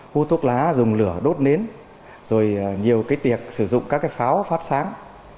hút thuốc lá dùng lửa đốt nến rồi nhiều tiệc sử dụng các pháo phát sáng